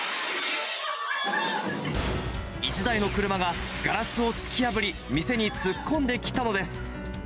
１台の車がガラスを突き破り、店に突っ込んできたのです。